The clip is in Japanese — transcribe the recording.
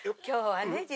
今日はね